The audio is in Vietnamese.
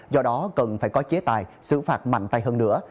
do đó cần phải có chế tài xử phạt mạnh tay hơn nữa